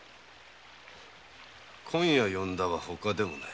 今夜呼んだのはほかでもない。